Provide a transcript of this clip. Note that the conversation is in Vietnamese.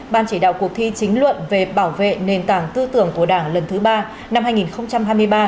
ban chỉ đạo cuộc thi chính luận về bảo vệ nền tảng tư tưởng của đảng lần thứ ba năm hai nghìn hai mươi ba